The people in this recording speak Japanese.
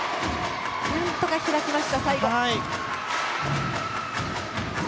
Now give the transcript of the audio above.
何とか開きました、最後。